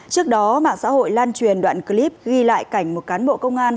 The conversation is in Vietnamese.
trước đó mạng xã hội lan truyền đoạn clip ghi lại cảnh một cán bộ công an